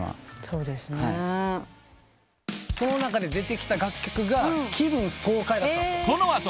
その中で出てきた楽曲が『気分爽快』だったんですよ。